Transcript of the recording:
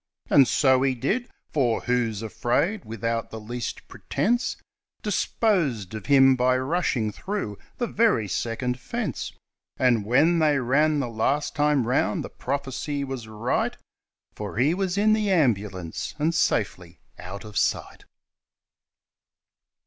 And so he did; for Who's Afraid, without the least pretence, Disposed of him by rushing through the very second fence; And when they ran the last time round the prophecy was right — For he was in the ambulance, and safely "out of sight".